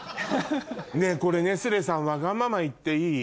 ねぇこれネスレさんわがまま言っていい？